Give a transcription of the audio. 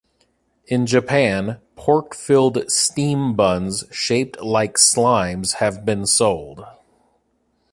In Japan, pork filled steam buns shaped like slimes have been sold.